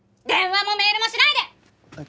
電話もメールもしないで！